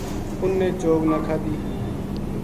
اُنھ نے چوگ نہ کھدی